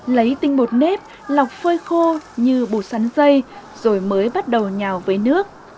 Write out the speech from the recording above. lấy tinh bột nếp lọc phơi khô như bùt sắn dây rồi mới bắt đầu nhào với nước